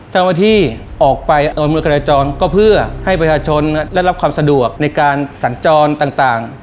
ที่ออกไปอำนวยการจราจรก็เพื่อให้ประชาชนได้รับความสะดวกในการสัญจรต่าง